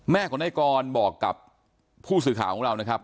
แม่ของนายกรบอกกับผู้สื่อข่าวของเรานะครับ